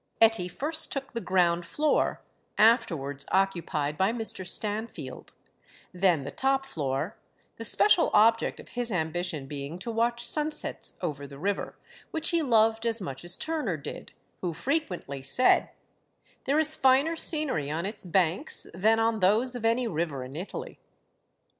Etty first took the ground floor (afterwards occupied by Mr. Stanfield), then the top floor; the special object of his ambition being to watch sunsets over the river, which he loved as much as Turner did, who frequently said, "There is finer scenery on its banks than on those of any river in Italy."